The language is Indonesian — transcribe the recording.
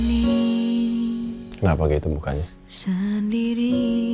hmm kenapa gitu bukannya sendiri